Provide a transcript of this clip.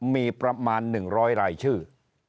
มีประมาณหนึ่งร้อยรายชื่อ